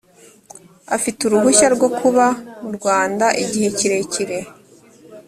afite uruhushya rwo kuba mu rwanda igihe kirekire